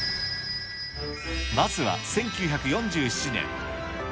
まずは１９４７年。